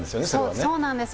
そうなんですよ。